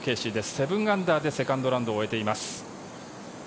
７アンダーでセカンドラウンドを終えています。